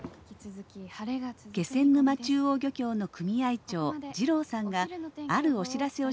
気仙沼中央漁協の組合長滋郎さんがあるお知らせをしに来ました。